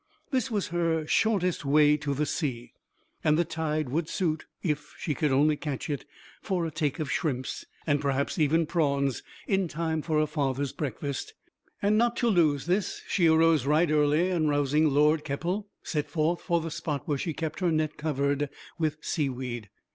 This was her shortest way to the sea, and the tide would suit (if she could only catch it) for a take of shrimps, and perhaps even prawns, in time for her father's breakfast. And not to lose this, she arose right early, and rousing Lord Keppel, set forth for the spot where she kept her net covered with sea weed.